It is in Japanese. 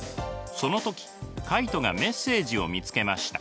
その時カイトがメッセージを見つけました。